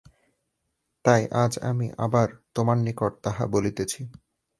তাই আজ আমি আবার তোমার নিকট তাহা বলিতেছি।